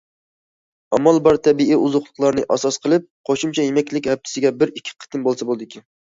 ئامال بار تەبىئىي ئوزۇقلۇقلارنى ئاساس قىلىپ، قوشۇمچە يېمەكلىك ھەپتىسىگە بىر- ئىككى قېتىم بولسا بولىدىكەن.